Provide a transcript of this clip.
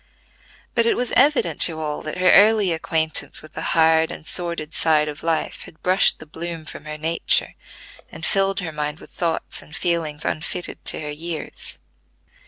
But it was evident to all that her early acquaintance with the hard and sordid side of life had brushed the bloom from her nature, and filled her mind with thoughts and feelings unfitted to her years.